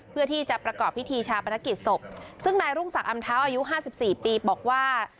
เพื่อที่จะประกอบพิธีชาปนกิจศพซึ่งนายรุ่งศักดิอำเท้าอายุห้าสิบสี่ปีบอกว่า